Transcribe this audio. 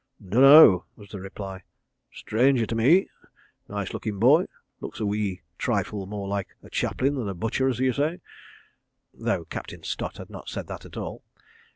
"Dunno," was the reply. "Stranger to me. Nice lookin' boy. ... Looks a wee trifle more like a chaplain than a butcher, as you say," though Captain Stott had not said that at all.